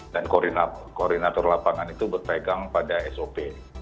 dan koordinator lapangan itu berpegang pada sop